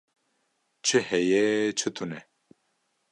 Çi heye çi tune?